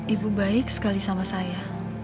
ibu baik sekali sama saya